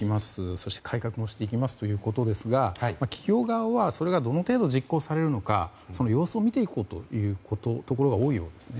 そして改革もしていきますということですが企業側は、それがどの程度実行されるのか様子を見ていこうというところが多いようですね。